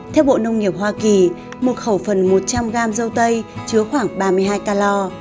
theo bộ nông nghiệp hoa kỳ một khẩu phần một trăm linh gam dâu tây chứa khoảng ba mươi hai calor